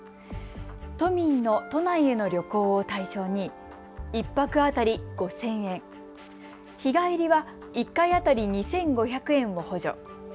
都民の都内への旅行を対象に１泊当たり５０００円、日帰りは１回当たり２５００円を補助。